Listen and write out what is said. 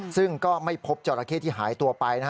ซึ่งก็ไม่พบจราเข้ที่หายตัวไป